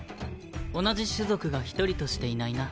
同じ種族が一人としていないな。